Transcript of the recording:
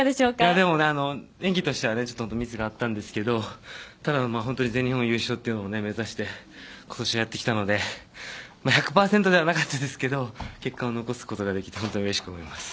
でも演技としてはミスがあったんですが本当に全日本優勝というのを目指して今年はやってきたので１００％ではなかったですけど結果を残すことができて本当にうれしく思います。